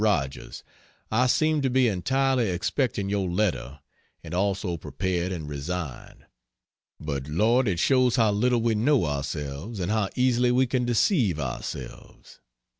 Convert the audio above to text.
ROGERS, I seemed to be entirely expecting your letter, and also prepared and resigned; but Lord, it shows how little we know ourselves and how easily we can deceive ourselves.